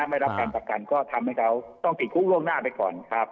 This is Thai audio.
ไม่รับการบัดกันก็ทำให้เขาต้องหลบหน้าไปก่อนครับ